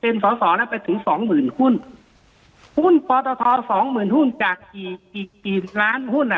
เป็นส่อแล้วไปถึง๒๐๐๐๐หุ้นหุ้นพอตทอ๒๐๐๐๐หุ้นจากกี่ล้านหุ้น